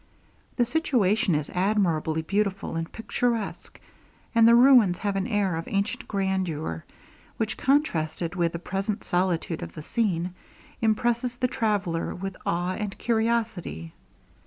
The situation is admirably beautiful and picturesque, and the ruins have an air of ancient grandeur, which, contrasted with the present solitude of the scene, impresses the traveller with awe and curiosity.